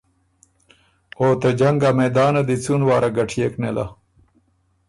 او ته جنګ ا میدانه دی څُون واره ګټيېک نېله۔